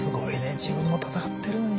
自分も闘ってるのに。